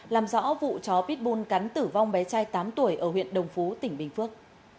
làm rõ vụ chó pitbull cắn tử vong bé trai tám tuổi ở huyện đồng phú tỉnh bình phước